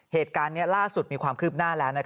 เหตุการณ์นี้ล่าสุดมีความคืบหน้าแล้ว